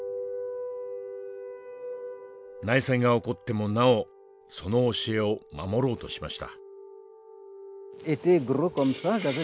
内戦が起こってもなおその教えを守ろうとしました。